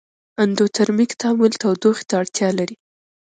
اندوترمیک تعامل تودوخې ته اړتیا لري.